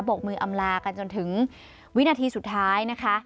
กมืออำลากันจนถึงวินาทีสุดท้ายนะคะ